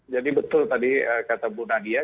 jadi betul tadi kata bu nadia